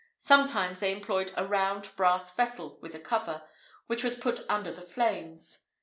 Sometimes they employed a round brass vessel with a cover, which was put under the flames.